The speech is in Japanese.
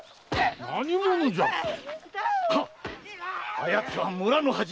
あやつは村の恥。